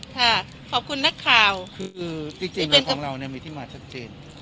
ค่ะขอบคุณนักข่าวคือจริงจริงเราของเราเนี่ยมีที่มาชักเจนนะครับ